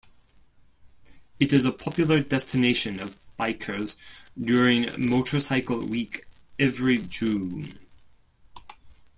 It is a popular destination of bikers during Motorcycle Week every June.